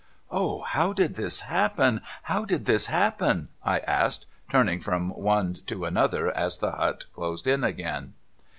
' O, how did this happen, how did this happen ?' I asked, turning from one to another as the hut closed in again.